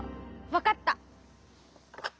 わかった。